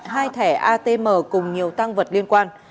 hai thẻ atm cùng nhiều tăng vật liên quan